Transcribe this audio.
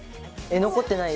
残ってない？